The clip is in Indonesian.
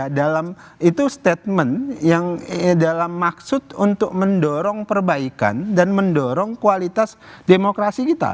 dalam itu statement yang dalam maksud untuk mendorong perbaikan dan mendorong kualitas demokrasi kita